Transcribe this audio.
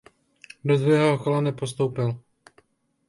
Do druhého kola nepostoupil.